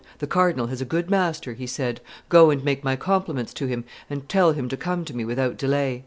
"The cardinal has a good master," he said: "go and make my compliments to him, and tell him to come to me without delay."